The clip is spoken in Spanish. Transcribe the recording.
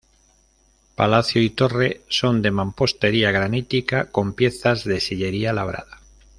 Palacio y torre son de mampostería granítica con piezas de sillería labrada.